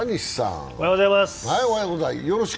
おはようございます。